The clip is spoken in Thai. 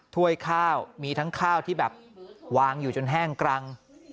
ถ้วยข้าวมีทั้งข้าวที่แบบวางอยู่จนแห้งกรัง